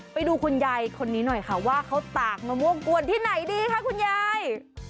ไปดูคุณยายคนนี้หน่อยค่ะว่าเขาตากมะม่วงกวนที่ไหนดีคะคุณยาย